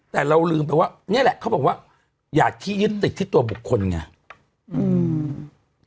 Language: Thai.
แต่เราลืมไปว่านี่แหละเขาบอกว่าอยากที่ยึดติดที่ตัวบุคคลไงอืม